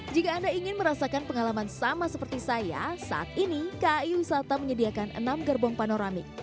jika anda ingin merasakan pengalaman sama seperti saya saat ini kai wisata menyediakan enam gerbong panoramik